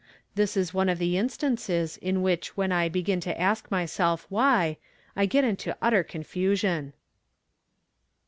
This is one of the instances in which when I begin to ask myself ' Why '? I get into utter con lusion.